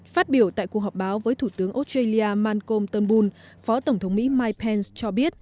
phát biểu tại cuộc họp báo với thủ tướng australia malkom turnbul phó tổng thống mỹ mike pence cho biết